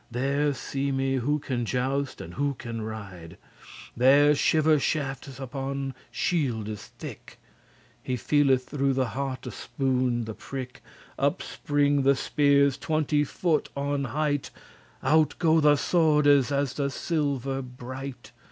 There see me who can joust, and who can ride. There shiver shaftes upon shieldes thick; He feeleth through the hearte spoon<79> the prick. Up spring the speares twenty foot on height; Out go the swordes as the silver bright.